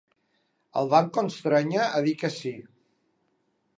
El van constrènyer a dir que sí.